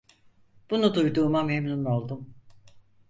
Bunu duyduğuma memnun oldum.